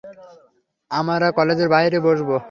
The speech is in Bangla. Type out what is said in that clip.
আমারা কলেজের বাহিরে বসবো।